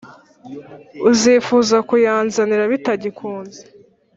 uzifuza kuyanzanira bitagikunze!”.